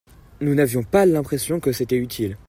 nous n'avions pas l'impression que c'était utile.